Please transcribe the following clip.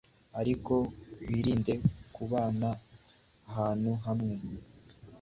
ariko mwirinde kubana ahantu hamwe